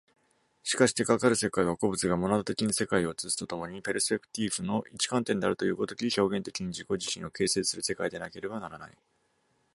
しかしてかかる世界は、個物がモナド的に世界を映すと共にペルスペクティーフの一観点であるという如き、表現的に自己自身を形成する世界でなければならない。